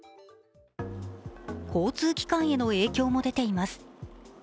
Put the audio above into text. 交通機関への影響も出ています。